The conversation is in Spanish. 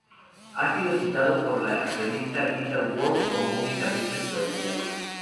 Ha sido citado por la revista Guitar World como un guitarrista "extraordinario".